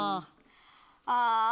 ああ。